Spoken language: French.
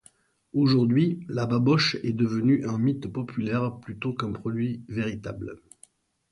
Aujourd'hui, la baboche est devenue un mythe populaire plutôt qu'un produit véritable.